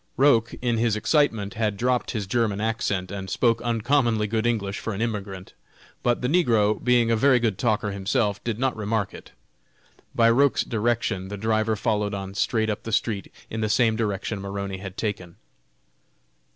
Roch, in his excitement had dropped his German accent, and spoke uncommonly good English for an immigrant; but the negro, being a very good talker himself, did not remark it. By Roch's direction the driver followed on straight up the street in the same direction Maroney had taken.